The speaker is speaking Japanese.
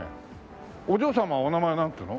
お嬢様お名前なんていうの？